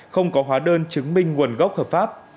không có hóa đơn chứng minh nguồn gốc hợp pháp